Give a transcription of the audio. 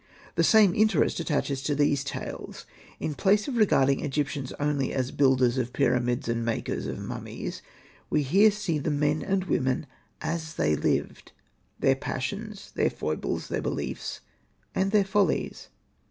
The same interest attaches to these tales. In place of regarding Egyptians only as the builders of pyramids and the makers of mummies, we here see the men and women as they lived, their passions, their foibles, their beliefs, and their follies.